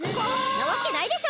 なわけないでしょ！